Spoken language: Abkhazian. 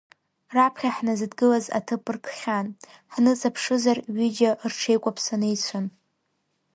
Раԥхьа ҳназыдгылаз аҭыԥ ркхьан, ҳныҵаԥшызар, ҩыџьа рҽеикәаԥсаны ицәан.